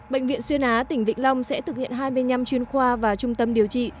bệnh viện xuyên á tỉnh vĩnh long sẽ thực hiện hai mươi năm chuyên khoa và trung tâm điều trị